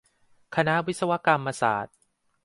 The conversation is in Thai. คณะวิศวกรรมศาสตร์